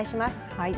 はい。